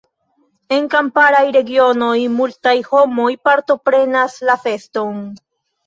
En kamparaj regionoj multaj homoj partoprenas la feston.